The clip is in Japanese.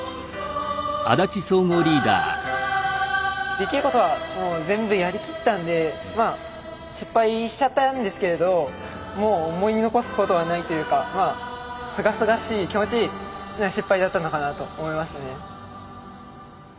できることはもう全部やりきったんで失敗しちゃったんですけれどもう思い残すことはないというかすがすがしい気持ちいい失敗だったのかなと思いますね。